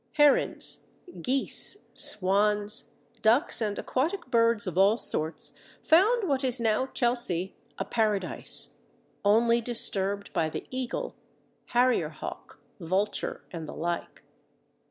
Herons, geese, swans, ducks, and aquatic birds of all sorts found what is now Chelsea a paradise, only disturbed by the eagle, harrier hawk, vulture, and the like.